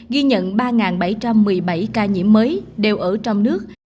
ghi nhận ba bảy trăm một mươi bảy ca nhiễm mới đều ở trong nước